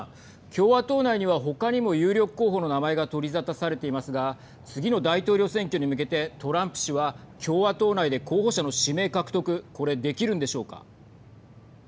共和党内には他にも有力候補の名前が取り沙汰されていますが次の大統領選挙に向けてトランプ氏は共和党内で候補者の指名獲得これできるんでしょうか。